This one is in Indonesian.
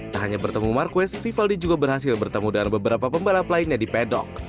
tak hanya bertemu marquez rivaldi juga berhasil bertemu dengan beberapa pembalap lainnya di pedok